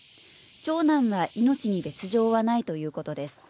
長男は命に別状はないということです。